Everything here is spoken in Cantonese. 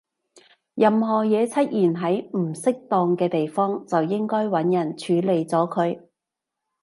任何嘢出現喺唔適當嘅地方，就應該搵人處理咗佢